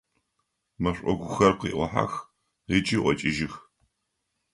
Мэшӏокухэр къыӏохьэх ыкӏи ӏокӏыжьых.